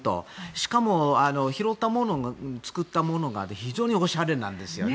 しかも拾ったもので作ったものが非常におしゃれなんですよね。